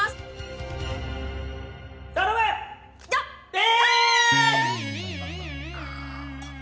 え！